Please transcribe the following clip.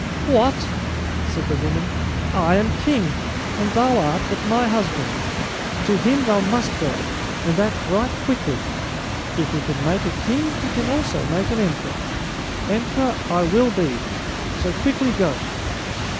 "What?" said the woman. "I am king, and thou art but my husband. To him thou must go, and that right quickly. If he can make a king, he can also make an emperor. Emperor I will be, so quickly go."